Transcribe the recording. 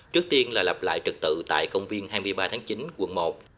trước tiên là lặp lại trực tự tại công viên hai mươi ba tháng chín quận một